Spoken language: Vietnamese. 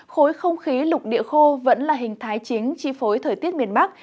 khối không khí lục địa khô vẫn là hình thái chính chi phối thời tiết miền bắc